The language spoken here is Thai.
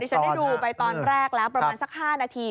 ฉันได้ดูไปตอนแรกแล้วประมาณสัก๕นาที